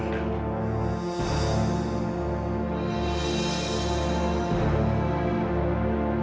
apakah itu sungguhan